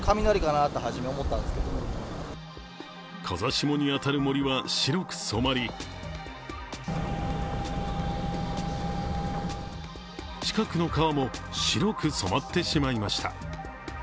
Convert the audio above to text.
風下に当たる森は白く染まり近くの川も白く染まってしまいました。